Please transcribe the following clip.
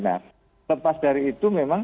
nah lepas dari itu memang